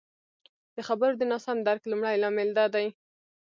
د خبرو د ناسم درک لمړی لامل دادی